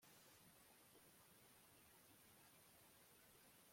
amaboko ye ariho imitsi myinshi